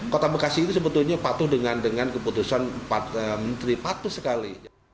kota bekasi itu sebetulnya patuh dengan keputusan empat menteri patuh sekali